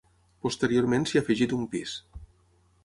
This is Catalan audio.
Posteriorment s'hi ha afegit un pis.